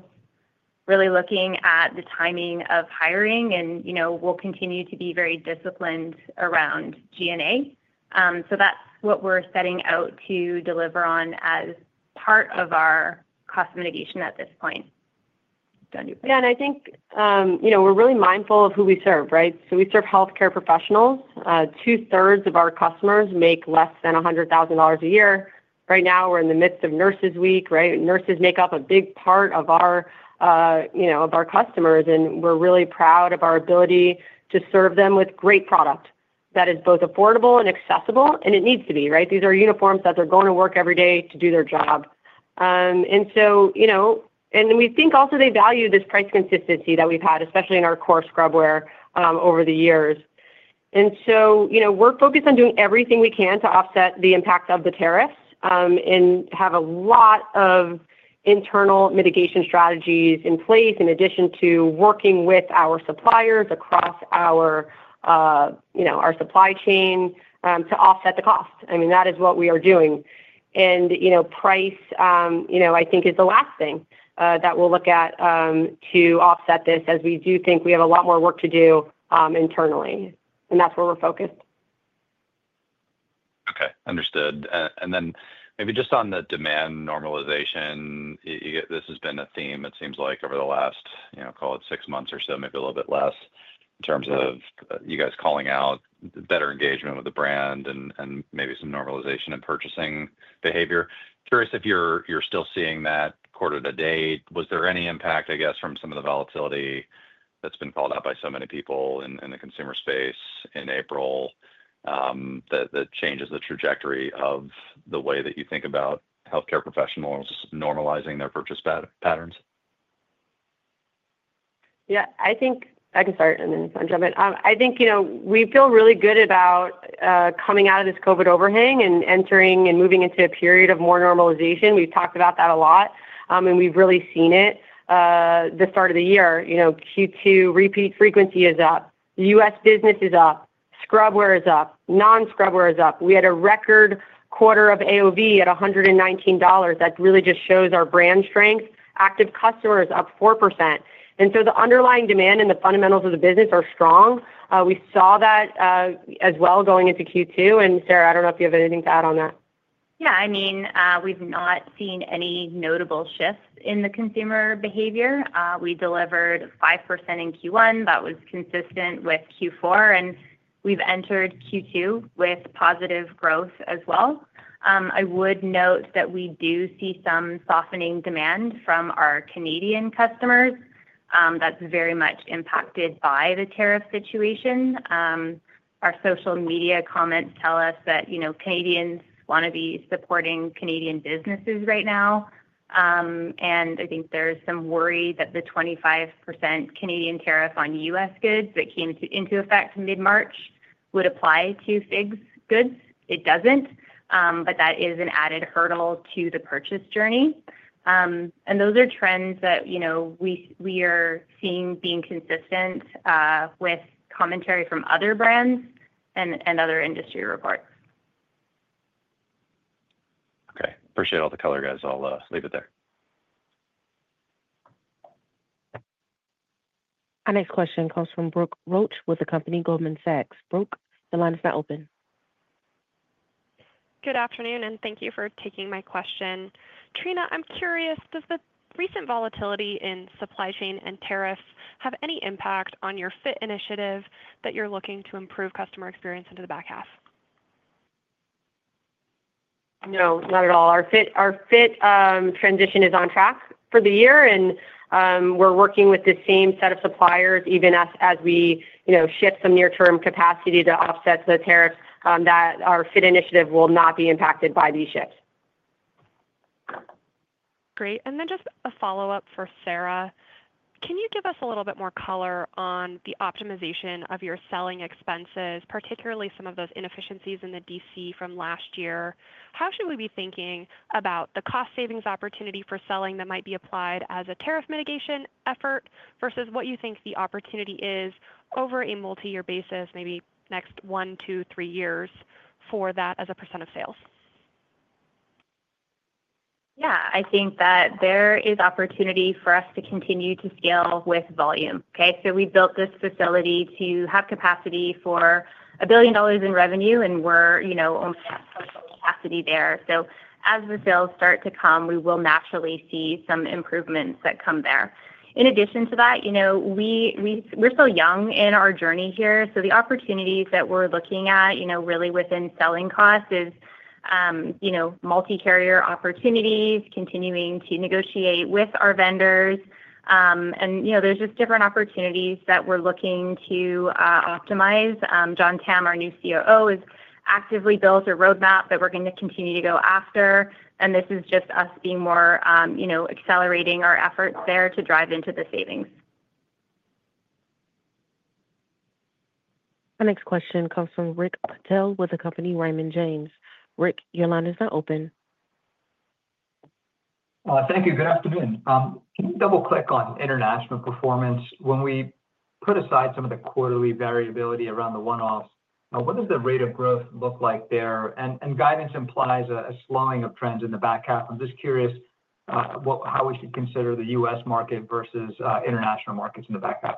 really looking at the timing of hiring, and we'll continue to be very disciplined around G&A. That's what we're setting out to deliver on as part of our cost mitigation at this point. Yeah, I think we're really mindful of who we serve, right? We serve healthcare professionals. Two-thirds of our customers make less than $100,000 a year. Right now, we're in the midst of Nurses Week, right? Nurses make up a big part of our customers, and we're really proud of our ability to serve them with great product that is both affordable and accessible, and it needs to be, right? These are uniforms that they're going to work every day to do their job. We think also they value this price consistency that we've had, especially in our core scrubwear over the years. We're focused on doing everything we can to offset the impact of the tariffs and have a lot of internal mitigation strategies in place in addition to working with our suppliers across our supply chain to offset the cost. I mean, that is what we are doing. Price, I think, is the last thing that we'll look at to offset this as we do think we have a lot more work to do internally, and that's where we're focused. Okay. Understood. Maybe just on the demand normalization, this has been a theme, it seems like, over the last, call it six months or so, maybe a little bit less in terms of you guys calling out better engagement with the brand and maybe some normalization in purchasing behavior. Curious if you're still seeing that quarter to date. Was there any impact, I guess, from some of the volatility that's been called out by so many people in the consumer space in April that changes the trajectory of the way that you think about healthcare professionals normalizing their purchase patterns? Yeah. I think I can start, and then you can jump in. I think we feel really good about coming out of this COVID overhang and entering and moving into a period of more normalization. We've talked about that a lot, and we've really seen it. The start of the year, Q2 repeat frequency is up. U.S. business is up. Scrubwear is up. Non-scrubwear is up. We had a record quarter of AOV at $119. That really just shows our brand strength. Active customers up 4%. And so the underlying demand and the fundamentals of the business are strong. We saw that as well going into Q2. Sarah, I do not know if you have anything to add on that. Yeah. I mean, we have not seen any notable shifts in the consumer behavior. We delivered 5% in Q1. That was consistent with Q4, and we have entered Q2 with positive growth as well. I would note that we do see some softening demand from our Canadian customers. That is very much impacted by the tariff situation. Our social media comments tell us that Canadians want to be supporting Canadian businesses right now. I think there is some worry that the 25% Canadian tariff on US goods that came into effect mid-March would apply to FIGS goods. It does not, but that is an added hurdle to the purchase journey. Those are trends that we are seeing being consistent with commentary from other brands and other industry reports. Okay. Appreciate all the color, guys. I will leave it there. Our next question comes from Brooke Roach with the company Goldman Sachs. Brooke, the line is now open. Good afternoon, and thank you for taking my question. Trina, I'm curious, does the recent volatility in supply chain and tariffs have any impact on your FIT initiative that you're looking to improve customer experience into the back half? No, not at all. Our FIT transition is on track for the year, and we're working with the same set of suppliers, even as we shift some near-term capacity to offset the tariffs, that our FIT initiative will not be impacted by these shifts. Great. And then just a follow-up for Sarah. Can you give us a little bit more color on the optimization of your selling expenses, particularly some of those inefficiencies in the DC from last year? How should we be thinking about the cost savings opportunity for selling that might be applied as a tariff mitigation effort versus what you think the opportunity is over a multi-year basis, maybe next one, two, three years for that as a percent of sales? Yeah. I think that there is opportunity for us to continue to scale with volume. Okay? So we built this facility to have capacity for a billion dollars in revenue, and we're almost at full capacity there. As the sales start to come, we will naturally see some improvements that come there. In addition to that, we're still young in our journey here. The opportunities that we're looking at really within selling costs is multi-carrier opportunities, continuing to negotiate with our vendors. There are just different opportunities that we're looking to optimize. John Tam, our new COO, has actively built a roadmap that we're going to continue to go after. This is just us being more accelerating our efforts there to drive into the savings. Our next question comes from Rick Patel with the company Raymond James. Rick, your line is now open. Thank you. Good afternoon. Can you double-click on international performance? When we put aside some of the quarterly variability around the one-offs, what does the rate of growth look like there? Guidance implies a slowing of trends in the back half. I'm just curious how we should consider the U.S. market versus international markets in the back half.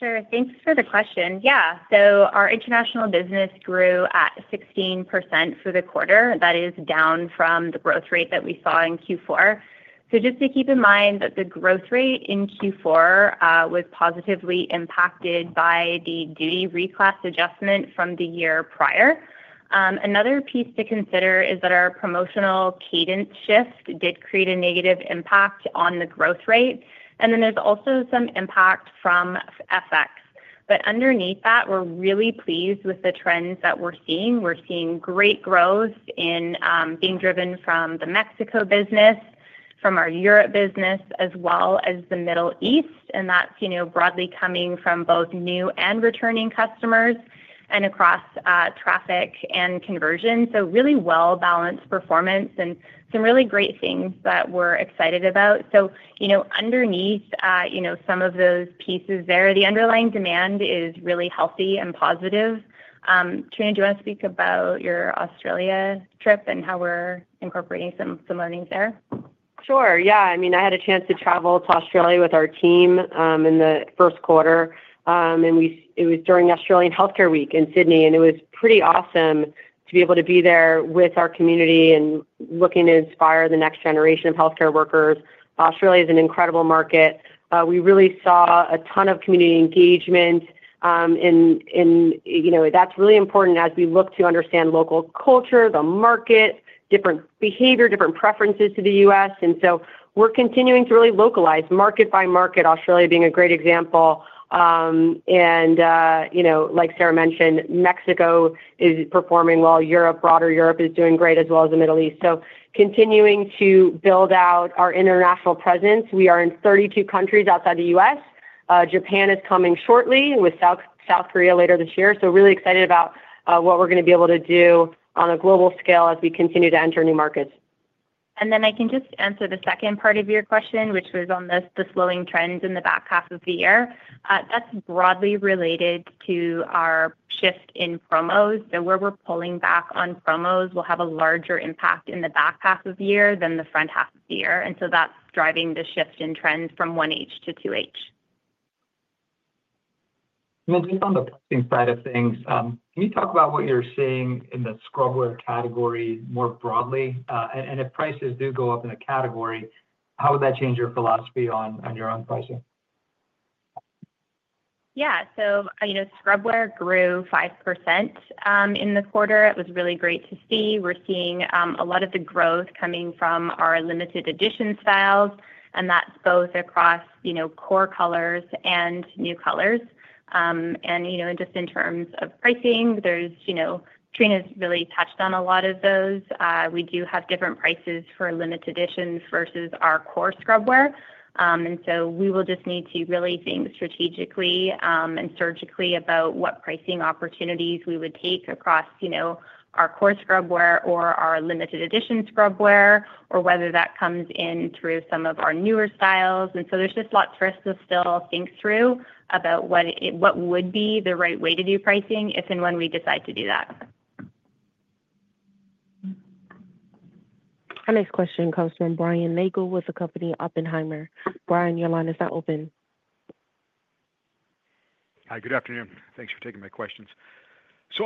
Sure. Thanks for the question. Yeah. Our international business grew at 16% for the quarter. That is down from the growth rate that we saw in Q4. Just to keep in mind that the growth rate in Q4 was positively impacted by the duty reclass adjustment from the year prior. Another piece to consider is that our promotional cadence shift did create a negative impact on the growth rate. There is also some impact from FX. Underneath that, we're really pleased with the trends that we're seeing. We're seeing great growth being driven from the Mexico business, from our Europe business, as well as the Middle East. That's broadly coming from both new and returning customers and across traffic and conversion. Really well-balanced performance and some really great things that we're excited about. Underneath some of those pieces there, the underlying demand is really healthy and positive. Trina, do you want to speak about your Australia trip and how we're incorporating some learnings there? Sure. Yeah. I mean, I had a chance to travel to Australia with our team in the first quarter. It was during Australian Healthcare Week in Sydney, and it was pretty awesome to be able to be there with our community and looking to inspire the next generation of healthcare workers. Australia is an incredible market. We really saw a ton of community engagement. That is really important as we look to understand local culture, the market, different behavior, different preferences to the U.S. We are continuing to really localize market by market, Australia being a great example. Like Sarah mentioned, Mexico is performing well. Broader Europe is doing great as well as the Middle East. Continuing to build out our international presence. We are in 32 countries outside the U.S. Japan is coming shortly with South Korea later this year. Really excited about what we're going to be able to do on a global scale as we continue to enter new markets. I can just answer the second part of your question, which was on the slowing trends in the back half of the year. That's broadly related to our shift in promos. Where we're pulling back on promos, we'll have a larger impact in the back half of the year than the front half of the year. That's driving the shift in trends from 1H-2H. Just on the pricing side of things, can you talk about what you're seeing in the scrubwear category more broadly? If prices do go up in the category, how would that change your philosophy on your own pricing? Yeah. Scrubwear grew 5% in the quarter. It was really great to see. We're seeing a lot of the growth coming from our limited edition styles. That's both across core colors and new colors. Just in terms of pricing, Trina has really touched on a lot of those. We do have different prices for limited editions versus our core scrubwear. We will just need to really think strategically and surgically about what pricing opportunities we would take across our core scrubwear or our limited edition scrubwear or whether that comes in through some of our newer styles. There's just lots for us to still think through about what would be the right way to do pricing if and when we decide to do that. Our next question comes from Brian Nagel with the company Oppenheimer. Brian, your line is now open. Hi. Good afternoon. Thanks for taking my questions.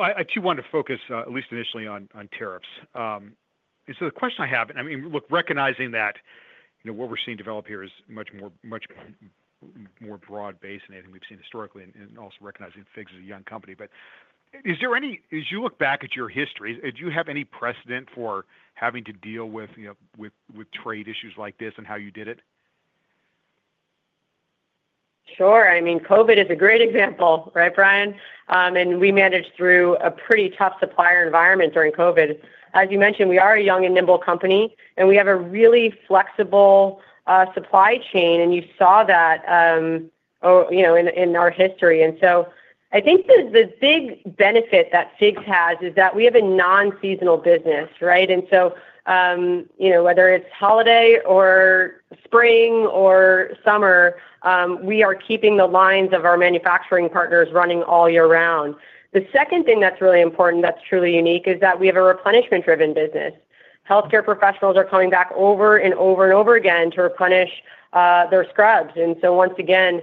I do want to focus at least initially on tariffs. The question I have, and I mean, look, recognizing that what we're seeing develop here is much more broad-based than anything we've seen historically, and also recognizing FIGS is a young company. As you look back at your history, do you have any precedent for having to deal with trade issues like this and how you did it? Sure. I mean, COVID is a great example, right, Brian? We managed through a pretty tough supplier environment during COVID. As you mentioned, we are a young and nimble company, and we have a really flexible supply chain, and you saw that in our history. I think the big benefit that FIGS has is that we have a non-seasonal business, right? Whether it is holiday or spring or summer, we are keeping the lines of our manufacturing partners running all year round. The second thing that is really important, that is truly unique, is that we have a replenishment-driven business. Healthcare professionals are coming back over and over again to replenish their scrubs. That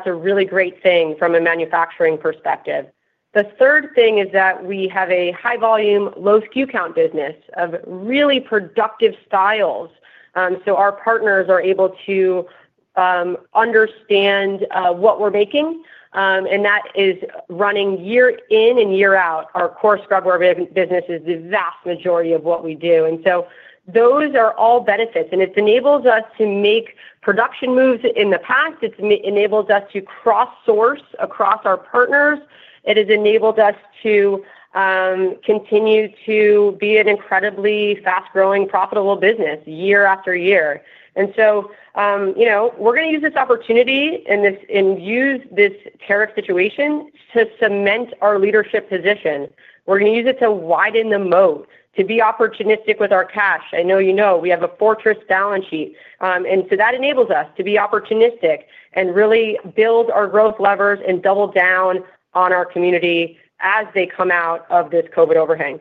is a really great thing from a manufacturing perspective. The third thing is that we have a high-volume, low-skew count business of really productive styles. Our partners are able to understand what we are making. That is running year in and year out. Our core scrubwear business is the vast majority of what we do. Those are all benefits. It enables us to make production moves in the past. It enables us to cross-source across our partners. It has enabled us to continue to be an incredibly fast-growing, profitable business year after year. We are going to use this opportunity and use this tariff situation to cement our leadership position. We are going to use it to widen the moat, to be opportunistic with our cash. I know you know we have a fortress balance sheet. That enables us to be opportunistic and really build our growth levers and double down on our community as they come out of this COVID overhang.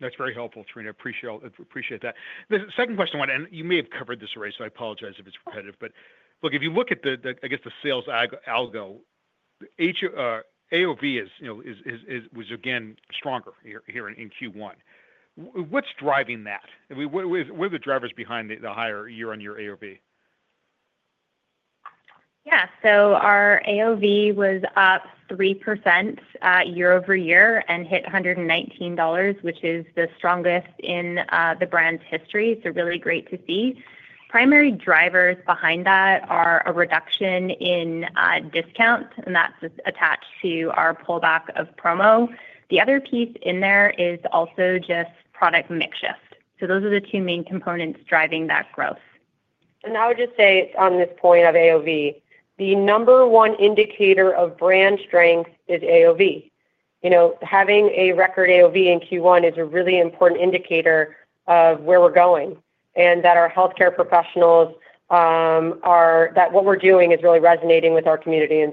That is very helpful, Trina. Appreciate that. The second question I want to—and you may have covered this already, so I apologize if it is repetitive. If you look at, I guess, the sales algo, AOV was, again, stronger here in Q1. What is driving that? What are the drivers behind the higher year-on-year AOV? Yeah. Our AOV was up 3% year over year and hit $119, which is the strongest in the brand's history. It's really great to see. Primary drivers behind that are a reduction in discount, and that's attached to our pullback of promo. The other piece in there is also just product mix shift. Those are the two main components driving that growth. I would just say on this point of AOV, the number one indicator of brand strength is AOV. Having a record AOV in Q1 is a really important indicator of where we're going and that our healthcare professionals are—that what we're doing is really resonating with our community.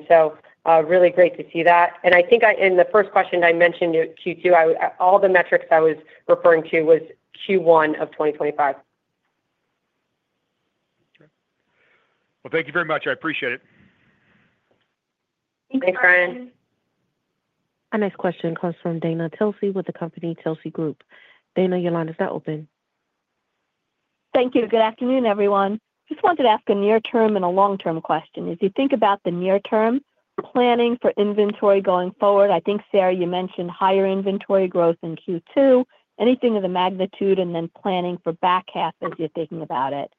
Really great to see that. I think in the first question I mentioned at Q2, all the metrics I was referring to was Q1 of 2025. Thank you very much. I appreciate it. Thanks, Brian. Our next question comes from Dana Telsey with the company Telsey Group. Dana, your line is now open. Thank you. Good afternoon, everyone. Just wanted to ask a near-term and a long-term question. As you think about the near-term, planning for inventory going forward? I think, Sarah, you mentioned higher inventory growth in Q2. Anything of the magnitude and then planning for back half as you're thinking about it?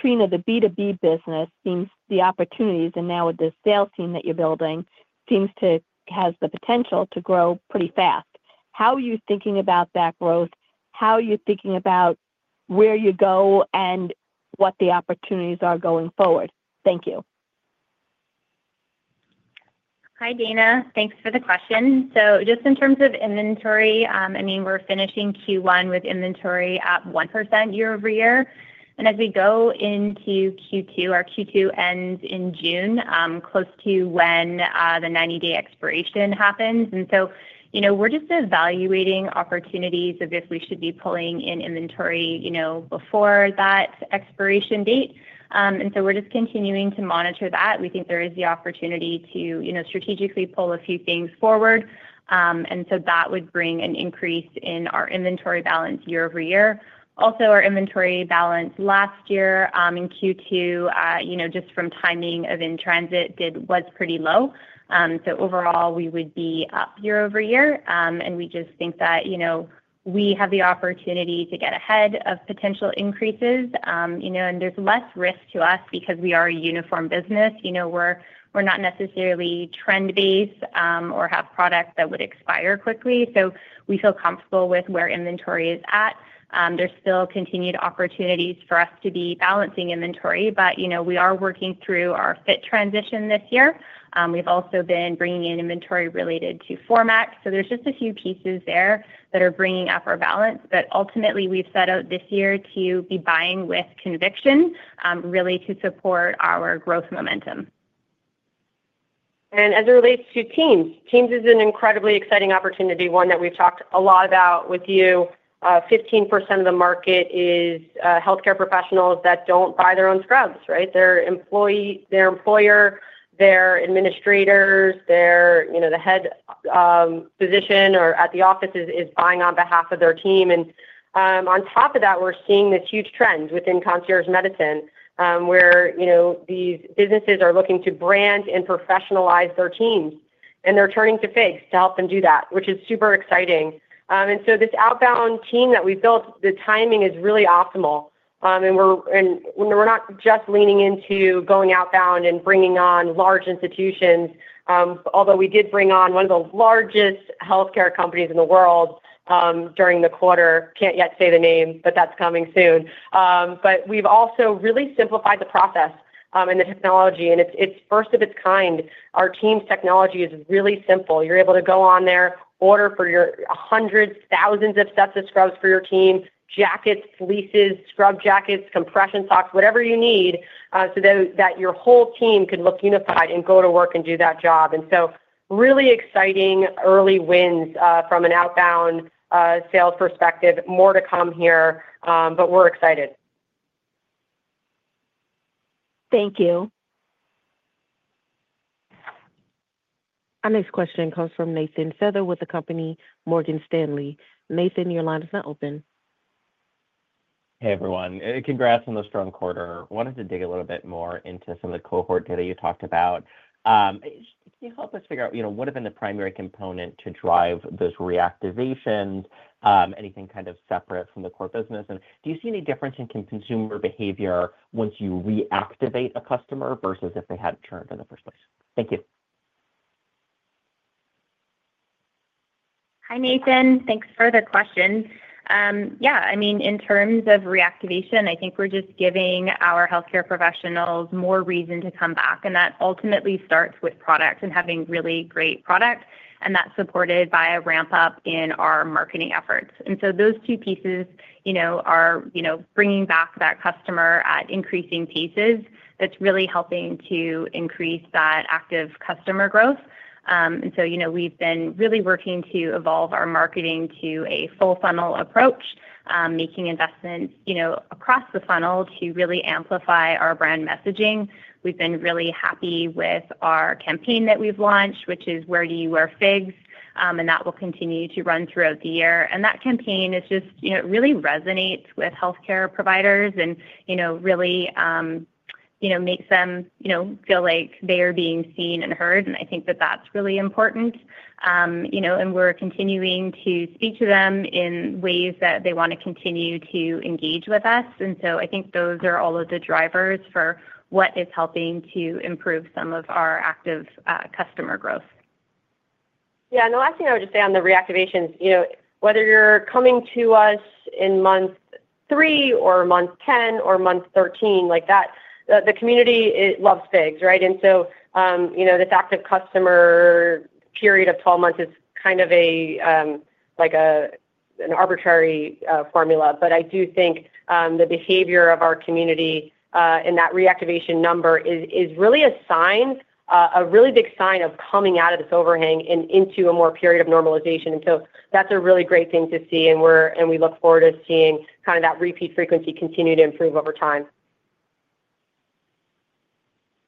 Trina, the B2B business seems—the opportunities and now with the sales team that you're building seems to have the potential to grow pretty fast. How are you thinking about that growth? How are you thinking about where you go and what the opportunities are going forward? Thank you. Hi, Dana. Thanks for the question. Just in terms of inventory, I mean, we're finishing Q1 with inventory at 1% year-over-year. As we go into Q2, our Q2 ends in June, close to when the 90-day expiration happens. We are just evaluating opportunities of if we should be pulling in inventory before that expiration date. We are just continuing to monitor that. We think there is the opportunity to strategically pull a few things forward. That would bring an increase in our inventory balance year over year. Also, our inventory balance last year in Q2, just from timing of in transit, was pretty low. Overall, we would be up year over year. We just think that we have the opportunity to get ahead of potential increases. There is less risk to us because we are a uniform business. We are not necessarily trend-based or have products that would expire quickly. We feel comfortable with where inventory is at. are still continued opportunities for us to be balancing inventory, but we are working through our fit transition this year. We have also been bringing in inventory related to FORMx. There are just a few pieces there that are bringing up our balance. Ultimately, we have set out this year to be buying with conviction, really to support our growth momentum. As it relates to Teams, Teams is an incredibly exciting opportunity, one that we have talked a lot about with you. 15% of the market is healthcare professionals that do not buy their own scrubs, right? Their employer, their administrators, the head physician or at the office is buying on behalf of their team. On top of that, we are seeing this huge trend within concierge medicine where these businesses are looking to brand and professionalize their teams. They are turning to FIGS to help them do that, which is super exciting. This outbound team that we built, the timing is really optimal. We are not just leaning into going outbound and bringing on large institutions. Although we did bring on one of the largest healthcare companies in the world during the quarter—cannot yet say the name, but that is coming soon. We have also really simplified the process and the technology. It is first of its kind. Our Teams technology is really simple. You are able to go on there, order for your hundreds, thousands of sets of scrubs for your team, jackets, fleeces, scrub jackets, compression socks, whatever you need so that your whole team can look unified and go to work and do that job. Really exciting early wins from an outbound sales perspective. More to come here, but we are excited. Thank you. Our next question comes from Nathan Feather with the company Morgan Stanley. Nathan, your line is now open. Hey, everyone. Congrats on the strong quarter. Wanted to dig a little bit more into some of the cohort data you talked about. Can you help us figure out what have been the primary component to drive those reactivations? Anything kind of separate from the core business? And do you see any difference in consumer behavior once you reactivate a customer versus if they had not turned in the first place? Thank you. Hi, Nathan. Thanks for the question. Yeah. I mean, in terms of reactivation, I think we are just giving our healthcare professionals more reason to come back. That ultimately starts with product and having really great product. That is supported by a ramp-up in our marketing efforts. Those two pieces are bringing back that customer at increasing paces. is really helping to increase that active customer growth. We have been really working to evolve our marketing to a full funnel approach, making investments across the funnel to really amplify our brand messaging. We have been really happy with our campaign that we have launched, which is "Where Do You Wear FIGS?" That will continue to run throughout the year. That campaign really resonates with healthcare providers and really makes them feel like they are being seen and heard. I think that is really important. We are continuing to speak to them in ways that they want to continue to engage with us. I think those are all of the drivers for what is helping to improve some of our active customer growth. Yeah. The last thing I would just say on the reactivations, whether you're coming to us in month 3 or month 10 or month 13, the community loves FIGS, right? This active customer period of 12 months is kind of an arbitrary formula. I do think the behavior of our community in that reactivation number is really a really big sign of coming out of this overhang and into a more period of normalization. That's a really great thing to see. We look forward to seeing kind of that repeat frequency continue to improve over time.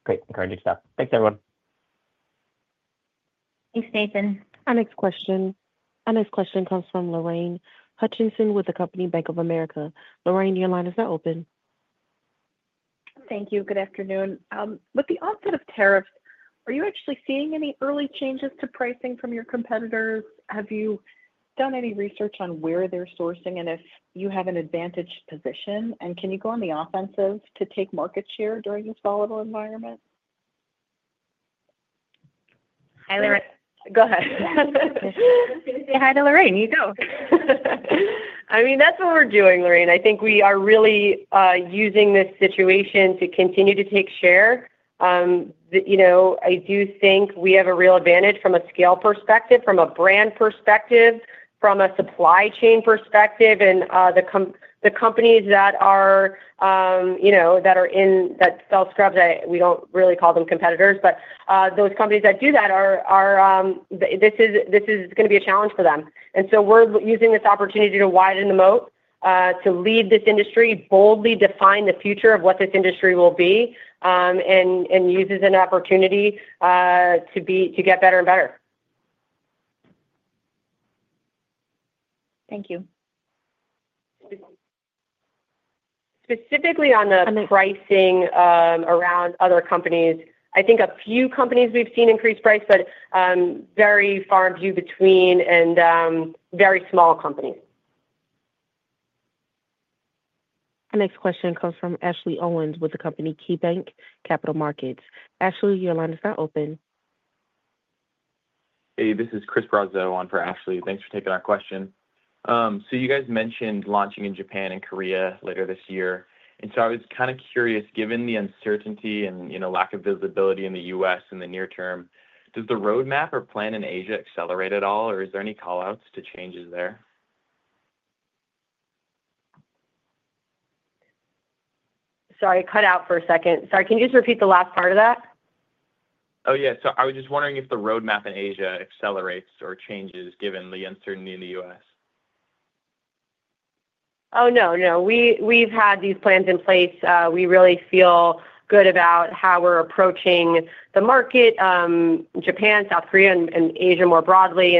Great. Encouraging stuff. Thanks, everyone. Thanks, Nathan. Our next question comes from Lorraine Hutchinson with Bank of America. Lorraine, your line is now open. Thank you. Good afternoon. With the onset of tariffs, are you actually seeing any early changes to pricing from your competitors? Have you done any research on where they're sourcing and if you have an advantage position? Can you go on the offensive to take market share during this volatile environment? Hi, Lorraine. Go ahead. I was going to say hi to Lorraine. You go. I mean, that's what we're doing, Lorraine. I think we are really using this situation to continue to take share. I do think we have a real advantage from a scale perspective, from a brand perspective, from a supply chain perspective. The companies that are in that sell scrubs, we do not really call them competitors, but those companies that do that, this is going to be a challenge for them. We're using this opportunity to widen the moat, to lead this industry, boldly define the future of what this industry will be, and use this as an opportunity to get better and better. Thank you. Specifically on the pricing around other companies, I think a few companies we've seen increase price, but very far and few between and very small companies. Our next question comes from Ashley Owens with the company KeyBanc Capital Markets. Ashley, your line is now open. Hey, this is Chris Brazeau on for Ashley. Thanks for taking our question. You guys mentioned launching in Japan and Korea later this year. I was kind of curious, given the uncertainty and lack of visibility in the U.S. in the near term, does the roadmap or plan in Asia accelerate at all, or is there any callouts to changes there? Sorry, it cut out for a second. Sorry, can you just repeat the last part of that? Oh, yeah. I was just wondering if the roadmap in Asia accelerates or changes given the uncertainty in the U.S. Oh, no, no. We have had these plans in place. We really feel good about how we are approaching the market, Japan, South Korea, and Asia more broadly.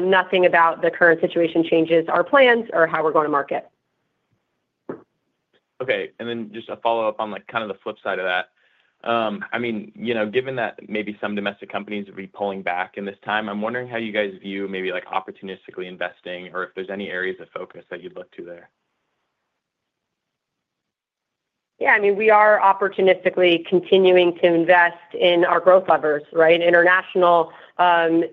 Nothing about the current situation changes our plans or how we are going to market. Okay. Then just a follow-up on kind of the flip side of that. I mean, given that maybe some domestic companies would be pulling back in this time, I am wondering how you guys view maybe opportunistically investing or if there are any areas of focus that you would look to there. Yeah. I mean, we are opportunistically continuing to invest in our growth levers, right? International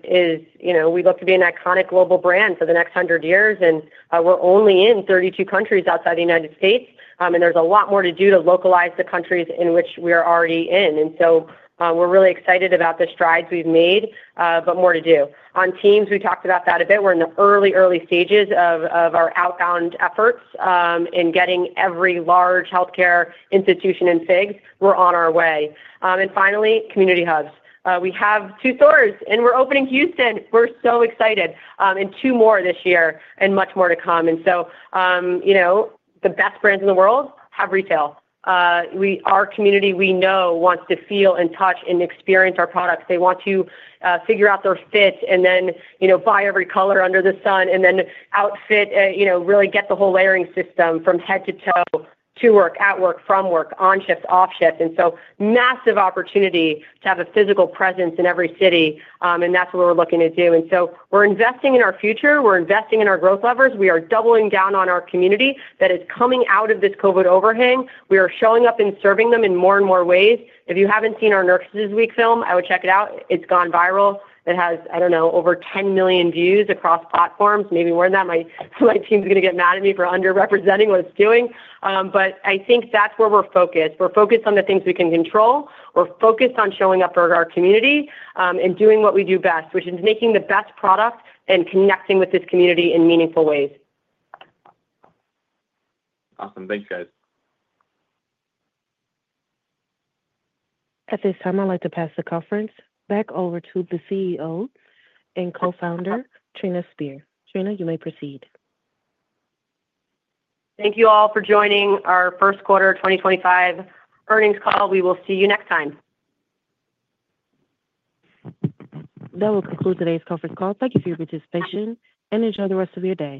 is we look to be an iconic global brand for the next 100 years. We are only in 32 countries outside the U.S. There is a lot more to do to localize the countries in which we are already in. We are really excited about the strides we have made, but more to do. On Teams, we talked about that a bit. We are in the early, early stages of our outbound efforts in getting every large healthcare institution in FIGS. We are on our way. Finally, community hubs. We have two stores, and we are opening Houston. We are so excited. Two more this year and much more to come. The best brands in the world have retail. Our community, we know, wants to feel and touch and experience our products. They want to figure out their fit and then buy every color under the sun and then outfit, really get the whole layering system from head to toe, to work, at work, from work, on shift, off shift. Massive opportunity to have a physical presence in every city. That is what we're looking to do. We are investing in our future. We are investing in our growth levers. We are doubling down on our community that is coming out of this COVID overhang. We are showing up and serving them in more and more ways. If you haven't seen our Nurses Week film, I would check it out. It's gone viral. It has, I don't know, over 10 million views across platforms. Maybe more than that. My team's going to get mad at me for underrepresenting what it's doing. I think that's where we're focused. We're focused on the things we can control. We're focused on showing up for our community and doing what we do best, which is making the best product and connecting with this community in meaningful ways. Awesome. Thanks, guys. At this time, I'd like to pass the conference back over to the CEO and Co-Founder, Trina Spear. Trina, you may proceed. Thank you all for joining our first quarter 2025 earnings call. We will see you next time. That will conclude today's conference call. Thank you for your participation. Enjoy the rest of your day.